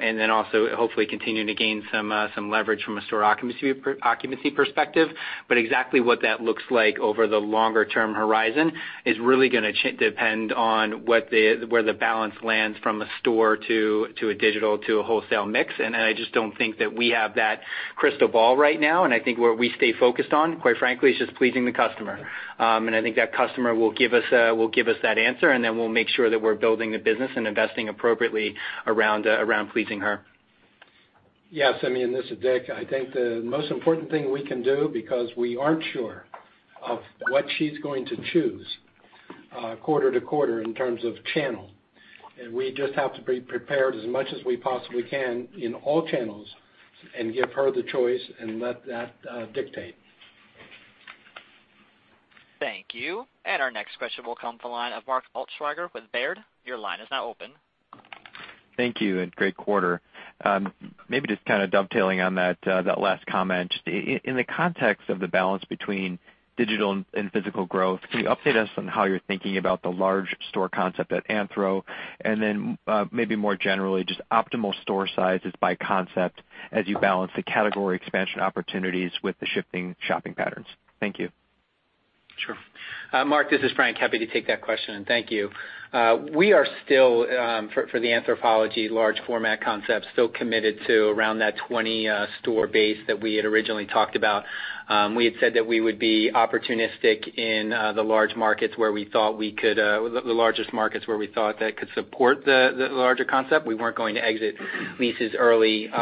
then also hopefully continuing to gain some leverage from a store occupancy perspective. Exactly what that looks like over the longer-term horizon is really gonna depend on where the balance lands from a store to a digital to a wholesale mix. I just don't think that we have that crystal ball right now, I think where we stay focused on, quite frankly, is just pleasing the customer. I think that customer will give us that answer, then we'll make sure that we're building the business and investing appropriately around pleasing her. Yeah. Simeon, this is Dick. I think the most important thing we can do, because we aren't sure of what she's going to choose quarter to quarter in terms of channel. We just have to be prepared as much as we possibly can in all channels and give her the choice and let that dictate. Thank you. Our next question will come the line of Mark Altschwager with Baird. Your line is now open. Thank you, great quarter. Maybe just dovetailing on that last comment. Just in the context of the balance between digital and physical growth, can you update us on how you're thinking about the large store concept at Anthro and then maybe more generally, just optimal store sizes by concept as you balance the category expansion opportunities with the shifting shopping patterns? Thank you. Sure. Mark, this is Frank. Happy to take that question, thank you. We are still, for the Anthropologie large format concept, still committed to around that 20 store base that we had originally talked about. We had said that we would be opportunistic in the largest markets where we thought that could support the larger concept. We weren't going to exit leases early, like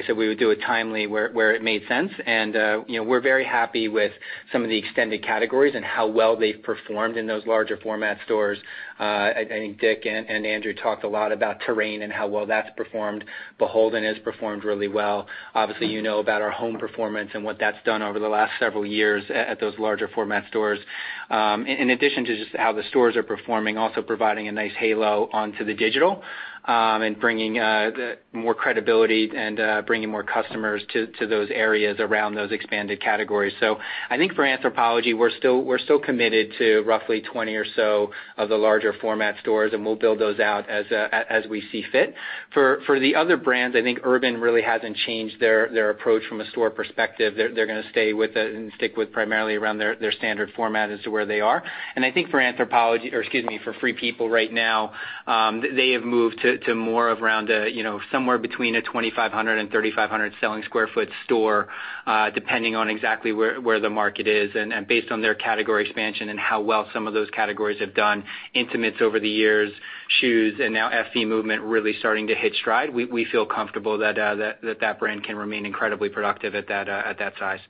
I said, we would do it timely where it made sense. We're very happy with some of the extended categories and how well they've performed in those larger format stores. I think Dick and Andrew talked a lot about Terrain and how well that's performed. BHLDN has performed really well. Obviously, you know about our home performance and what that's done over the last several years at those larger format stores. In addition to just how the stores are performing, also providing a nice halo onto the digital, and bringing more credibility and bringing more customers to those areas around those expanded categories. I think for Anthropologie, we're still committed to roughly 20 or so of the larger format stores, and we'll build those out as we see fit. For the other brands, I think Urban really hasn't changed their approach from a store perspective. They're gonna stay with and stick with primarily around their standard format as to where they are. I think for Free People right now, they have moved to more of around somewhere between a 2,500 and 3,500 sq ft store, depending on exactly where the market is and based on their category expansion and how well some of those categories have done, intimates over the years, shoes, and now athleisure movement really starting to hit stride. We feel comfortable that that brand can remain incredibly productive at that size.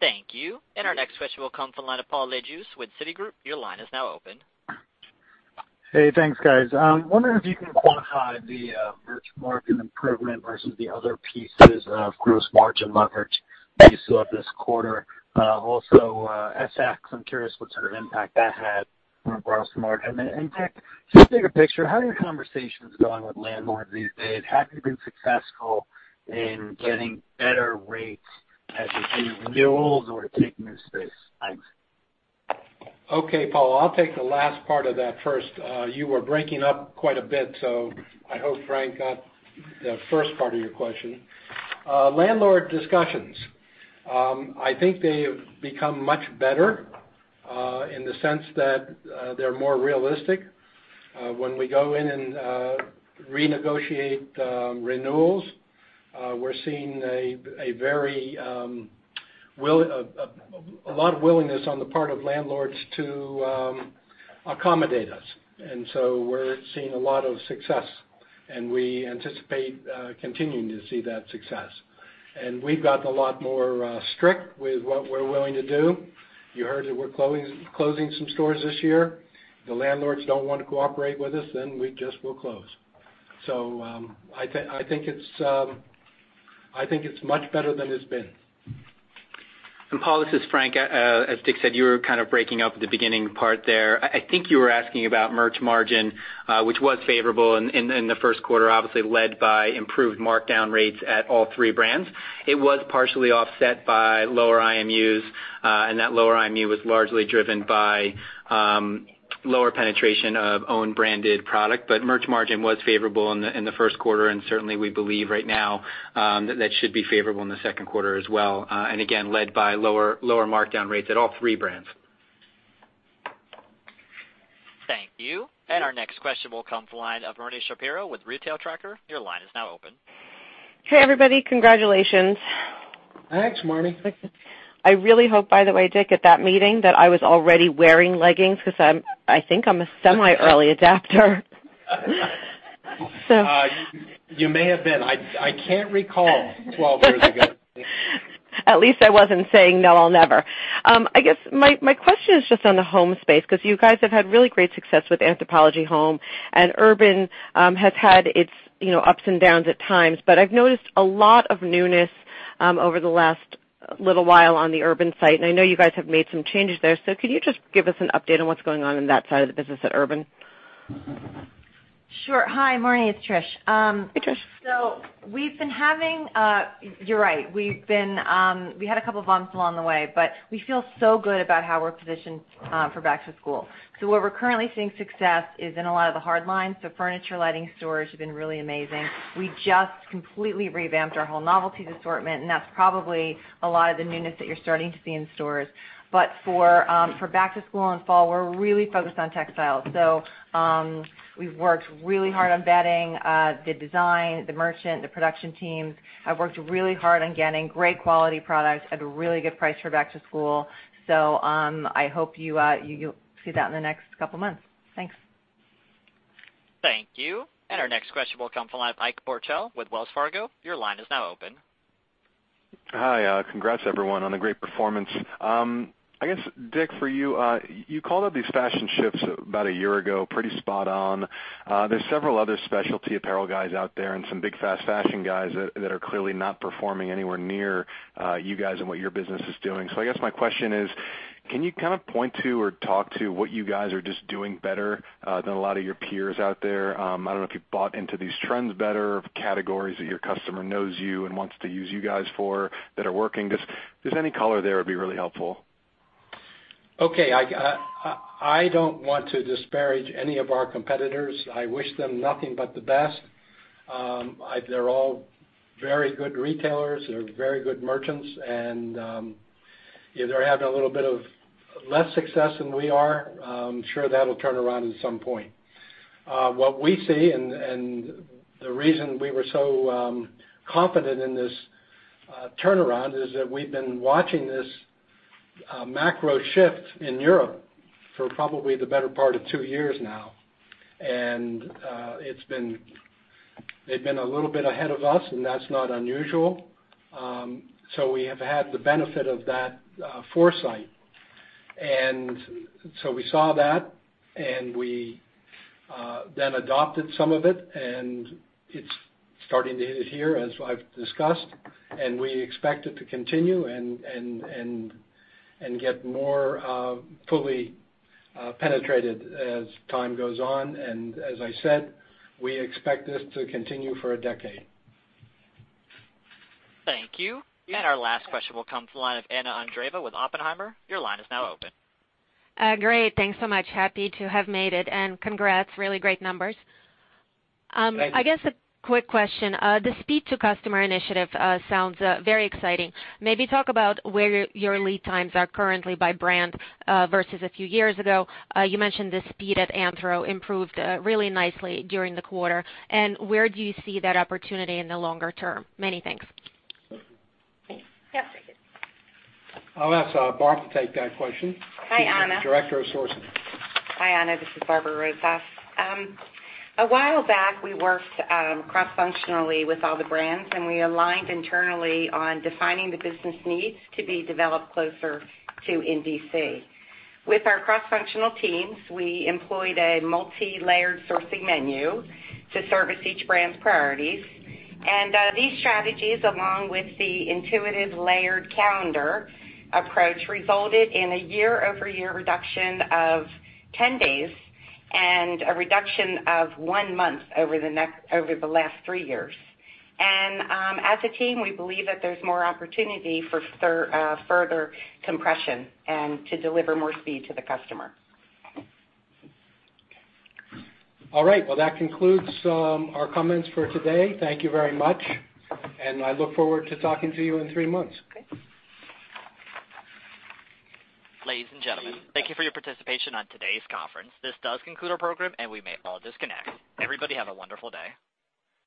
Thank you. Our next question will come from the line of Paul Lejuez with Citigroup. Your line is now open. Hey, thanks, guys. I'm wondering if you can quantify the merch margin improvement versus the other pieces of gross margin leverage that you saw this quarter. Also, FX, I'm curious what sort of impact that had? For gross margin. Dick, just bigger picture, how are your conversations going with landlords these days? Have you been successful in getting better rates at the renewals or taking new space? Okay, Paul, I'll take the last part of that first. You were breaking up quite a bit, so I hope Frank got the first part of your question. Landlord discussions. I think they have become much better, in the sense that they're more realistic. When we go in and renegotiate renewals, we're seeing a lot of willingness on the part of landlords to accommodate us. We're seeing a lot of success. We anticipate continuing to see that success. We've gotten a lot more strict with what we're willing to do. You heard that we're closing some stores this year. The landlords don't want to cooperate with us, then we just will close. I think it's much better than it's been. Paul, this is Frank. As Dick said, you were kind of breaking up at the beginning part there. I think you were asking about merch margin, which was favorable in the first quarter, obviously led by improved markdown rates at all three brands. It was partially offset by lower IMUs. That lower IMU was largely driven by lower penetration of own-branded product. Merch margin was favorable in the first quarter, and certainly, we believe right now that that should be favorable in the second quarter as well. Again, led by lower markdown rates at all three brands. Thank you. Our next question will come from the line of Marni Shapiro with Retail Tracker. Your line is now open. Hey, everybody. Congratulations. Thanks, Marni. I really hope, by the way, Dick, at that meeting, that I was already wearing leggings because I think I'm a semi-early adopter. You may have been. I can't recall 12 years ago. At least I wasn't saying, "No, I'll never." I guess my question is just on the home space, because you guys have had really great success with Anthropologie Home, and Urban has had its ups and downs at times. I've noticed a lot of newness over the last little while on the Urban site, and I know you guys have made some changes there. Could you just give us an update on what's going on in that side of the business at Urban? Sure. Hi, Marni, it's Trish. Hey, Trish. You're right. We had a couple of bumps along the way, but we feel so good about how we're positioned for back to school. Where we're currently seeing success is in a lot of the hard lines. Furniture, lighting, storage have been really amazing. We just completely revamped our whole novelties assortment, and that's probably a lot of the newness that you're starting to see in stores. For back to school and fall, we're really focused on textiles. We've worked really hard on bedding. The design, the merchant, the production teams have worked really hard on getting great quality products at a really good price for back to school. I hope you see that in the next couple of months. Thanks. Thank you. Our next question will come from the line of Ike Boruchow with Wells Fargo. Your line is now open. Hi. Congrats everyone on a great performance. I guess, Dick, for you called out these fashion shifts about a year ago, pretty spot on. There's several other specialty apparel guys out there and some big fast fashion guys that are clearly not performing anywhere near you guys and what your business is doing. I guess my question is, can you kind of point to or talk to what you guys are just doing better than a lot of your peers out there? I don't know if you've bought into these trends better, categories that your customer knows you and wants to use you guys for that are working. Just any color there would be really helpful. Okay. I don't want to disparage any of our competitors. I wish them nothing but the best. They're all very good retailers. They're very good merchants, and they're having a little bit of less success than we are. I'm sure that'll turn around at some point. What we see and the reason we were so confident in this turnaround is that we've been watching this macro shift in Europe for probably the better part of two years now. They've been a little bit ahead of us, and that's not unusual. We have had the benefit of that foresight. We saw that, and we then adopted some of it, and it's starting to hit here as I've discussed, and we expect it to continue and get more fully penetrated as time goes on. As I said, we expect this to continue for a decade. Thank you. Our last question will come from the line of Anna Andreeva with Oppenheimer. Your line is now open. Great. Thanks so much. Happy to have made it, and congrats. Really great numbers. Thank you. I guess a quick question. The speed to customer initiative sounds very exciting. Maybe talk about where your lead times are currently by brand versus a few years ago. You mentioned the speed at Anthro improved really nicely during the quarter. Where do you see that opportunity in the longer term? Many thanks. Yeah. Take it. I'll ask Barb to take that question. Hi, Anna. Director of sourcing. Hi, Anna. This is Barbara Rozas. A while back, we worked cross-functionally with all the brands. We aligned internally on defining the business needs to be developed closer to NDC. With our cross-functional teams, we employed a multilayered sourcing menu to service each brand's priorities. These strategies, along with the intuitive layered calendar approach, resulted in a year-over-year reduction of 10 days and a reduction of one month over the last three years. As a team, we believe that there's more opportunity for further compression and to deliver more speed to the customer. All right. Well, that concludes our comments for today. Thank you very much, and I look forward to talking to you in three months. Okay. Ladies and gentlemen, thank you for your participation on today's conference. This does conclude our program, and we may all disconnect. Everybody have a wonderful day.